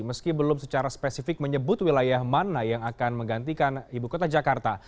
meski belum secara spesifik menyebut wilayah mana yang akan menggantikan ibu kota jakarta